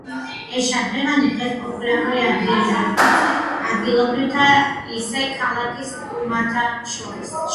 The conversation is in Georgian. ეს შადრევანი დღეს პოპულარული ადგილია, როგორც ადგილობრივთა, ისე ქალაქის სტუმართა შორის.